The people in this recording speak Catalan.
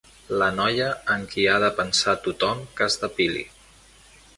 La noia en qui ha de pensar tothom que es depili.